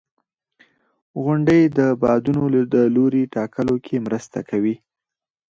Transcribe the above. • غونډۍ د بادونو د لوري ټاکلو کې مرسته کوي.